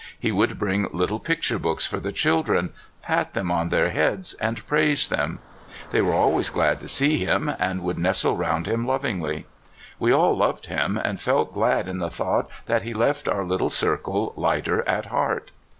He would bring little picture books for the children, pat them on their heads, and praise 160 CALIFORNIA SKETCHES. them. They were always glad to see 'him, and would nestle round him lovingly. We all loved him, and felt glad in the thought that he left our little circle lighter at heart.